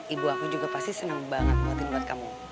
ibu aku juga pasti senang banget buatin buat kamu